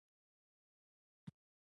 له ولایتونو څخه پلازمېنې ته لېږدول کېدل